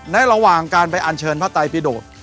ระหว่างการไปอันเชิญพระไตรพิโดด